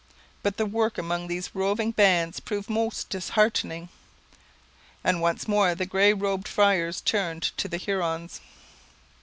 But the work among these roving bands proved most disheartening, and once more the grey robed friars turned to the Hurons.